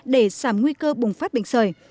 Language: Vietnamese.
để giảm nguy cơ bùng phát bệnh sởi